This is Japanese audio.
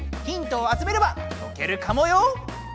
ヒントを集めれば解けるかもよ？